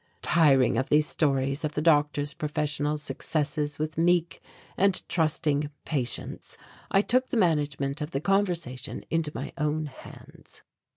Tiring of these stories of the doctor's professional successes with meek and trusting patients, I took the management of the conversation into my own hands.